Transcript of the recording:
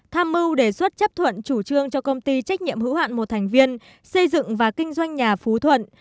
tham mưu đề xuất chấp thuận chủ trương cho công ty trách nhiệm hữu hạn một thành viên xây dựng và kinh doanh nhà phú thuận